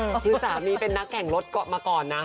คือสามีเป็นนักแข่งรถมาก่อนนะ